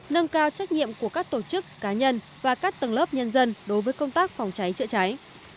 nâng cao trách nhiệm của các tổ chức cá nhân và các tầng lớp nhân dân đối với công tác phòng cháy chữa cháy